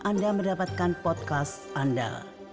anda mendapatkan podcast anda